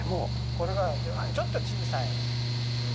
これがちょっと小さいの。